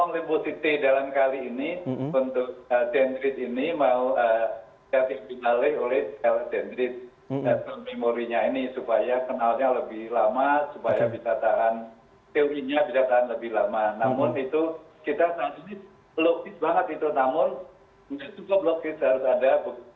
ya jadi kalau kita ngomong limbosid t dalam kali ini untuk dendrit ini mau diterima oleh sel dendrit